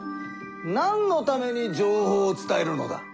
なんのために情報を伝えるのだ？